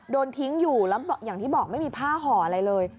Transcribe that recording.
โดนทิ้งอยู่แล้วอย่างที่บอกไม่มีผ้าห่ออะไรเลย